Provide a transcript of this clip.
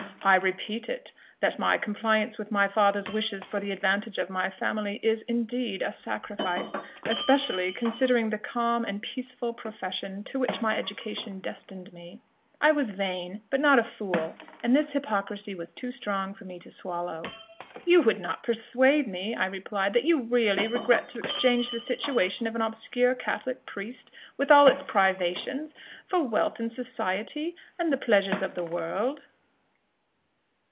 I repeat it, that my compliance with my father's wishes for the advantage of my family, is indeed a sacrifice, especially considering the calm and peaceful profession to which my education destined me." I was vain, but not a fool, and this hypocrisy was too strong for me to swallow. "You would not persuade me," I replied, "that you really regret to exchange the situation of an obscure Catholic priest, with all its privations, for wealth and society, and the pleasures of the world?"